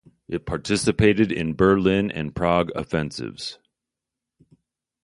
It participated in Berlin and Prague offensives.